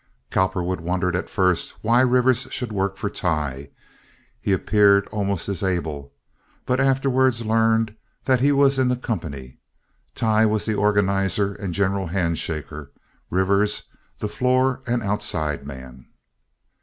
Cowperwood wondered at first why Rivers should work for Tighe—he appeared almost as able—but afterward learned that he was in the company. Tighe was the organizer and general hand shaker, Rivers the floor and outside man.